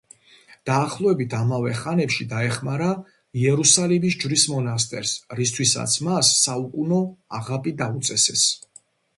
დაახლოებით ამავე ხანებში დაეხმარა იერუსალიმის ჯვრის მონასტერს, რისთვისაც მას საუკუნო აღაპი დაუწესეს.